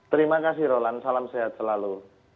terima kasih rolan salam sehat selalu